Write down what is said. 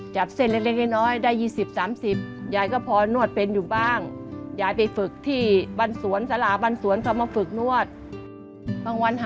จับเส้นเล็กน้อยได้๒๐๓๐